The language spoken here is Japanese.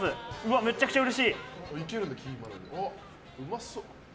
めちゃくちゃうれしい！